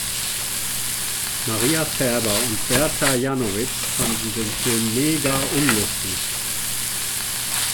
Maria Färber und Berta Janowitz fanden den Film mega unlustig.